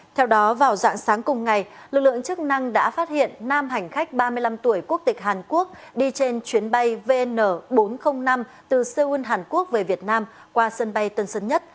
theo đó vào dạng sáng cùng ngày lực lượng chức năng đã phát hiện nam hành khách ba mươi năm tuổi quốc tịch hàn quốc đi trên chuyến bay vn bốn trăm linh năm từ seoul hàn quốc về việt nam qua sân bay tân sơn nhất